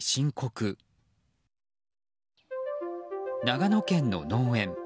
長野県の農園。